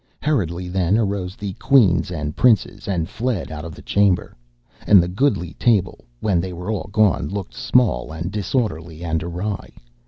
Hurriedly then arose the Queens and Princes, and fled out of the chamber. And the goodly table, when they were all gone, looked small and disorderly and awry.